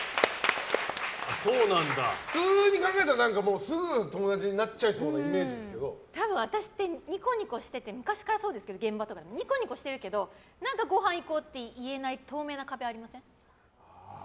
普通に考えたらすぐ友達になっちゃいそうな多分、私ってニコニコしてて昔からそうですけど現場とかも、ニコニコしてるけど何かごはん行こうって言えない透明な壁ありません？